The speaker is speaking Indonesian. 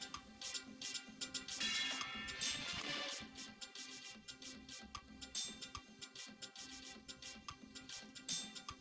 karena kalian akan kubunuh sekarang juga